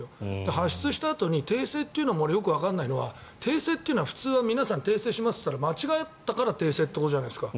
発出したあとに訂正というのもよくわからないのは訂正というのは普通は皆さん訂正しますと言ったら間違えているから訂正ということじゃないですか